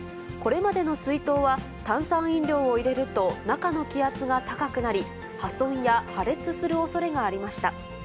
これまでの水筒は、炭酸飲料を入れると中の気圧が高くなり、破損や破裂するおそれがありました。